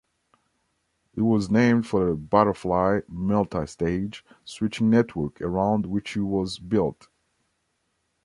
It was named for the "butterfly" multi-stage switching network around which it was built.